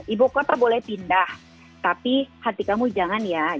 ibu kota boleh pindah tapi hati kamu jangan ya